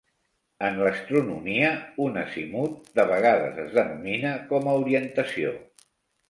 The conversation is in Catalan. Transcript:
En l'astronomia, un "Azimuth" de vegades es denomina com a orientació.